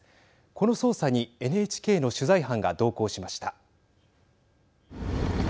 この捜査にＮＨＫの取材班が同行しました。